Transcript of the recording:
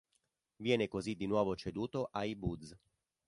Viene così di nuovo ceduto ai Buzz.